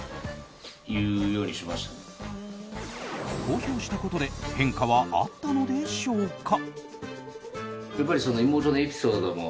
公表したことで変化はあったのでしょうか？